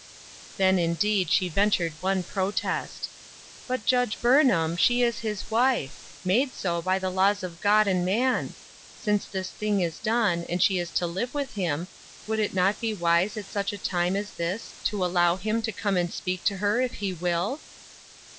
Then, indeed, she ventured one protest : "But, Judge Burnham, she is his wife — made so by the laws of God and man. Since this thing is done, and she is to live with him, would it not be wise at such a time as this to allow him to come and speak to her if he will